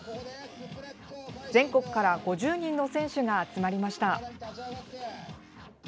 全国から５０人の選手が集まりました。